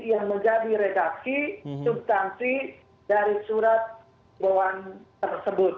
yang menjadi redaksi subtansi dari surat jimbawan tersebut